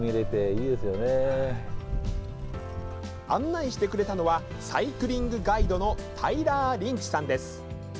案内してくれたのは、サイクリングガイドのタイラー・リンチさんです。